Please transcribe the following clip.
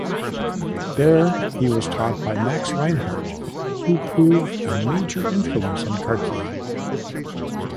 There he was taught by Max Reinhardt, who proved a major influence on Cartier.